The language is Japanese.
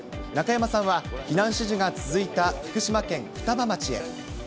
中山さんは避難指示が続いた福島県双葉町へ。